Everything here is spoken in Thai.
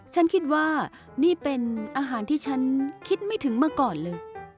ฉันคิดว่านี่เป็นอาหารที่ฉันคิดไม่ถึงมาก่อนเลย